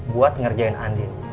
buat ngerjain andin